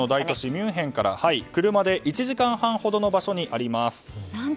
ミュンヘンから車で１時間半ほどの場所にあります。